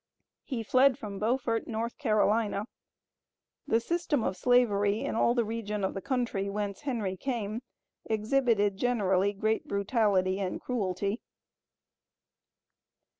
He fled from Beaufort, North Carolina. The system of slavery in all the region of country whence Henry came, exhibited generally great brutality and cruelty.